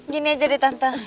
gini aja deh tante